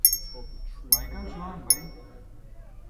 Maykal śuwan bay